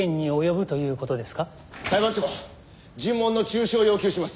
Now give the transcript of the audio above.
裁判長尋問の中止を要求します。